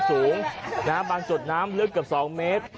สูงนะฮะบางจุดน้ำลึกกับสองเมตร